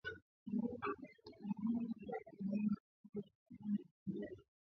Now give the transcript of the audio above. Kusudi la uwepo huo ni kusaidia katika mapambano dhidi ya kundi la kigaidi la al Shabaab